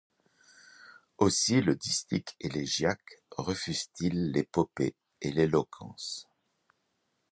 Aussi le distique élégiaque refuse-t-il l'épopée et l'éloquence.